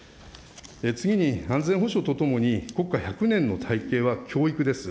次に、安全保障とともに国家１００年の大計は教育です。